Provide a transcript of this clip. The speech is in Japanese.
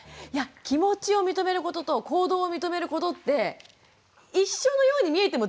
気持ちを認めることと行動を認めることって一緒のように見えても全然違うんですね。